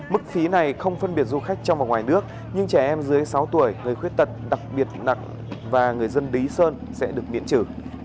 mức phí này không phân biệt du khách trong và ngoài nước nhưng trẻ em dưới sáu tuổi người khuyết tật đặc biệt nặng và người dân lý sơn sẽ được miễn trừ